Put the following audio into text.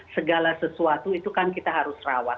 segala sesuatu itu kan kita harus rawat